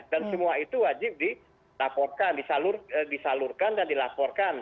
dan semua itu wajib dilaporkan disalurkan dan dilaporkan